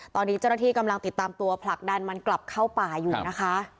ตอนนี้เจ้าหน้าที่กำลังติดตามตัวผลักดันมันกลับเข้าป่าอยู่นะคะ